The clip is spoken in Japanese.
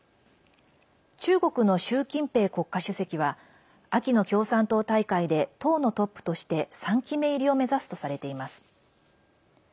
中国の習近平国家主席は秋の共産党大会で党のトップとして３期目入りを目指すとされています。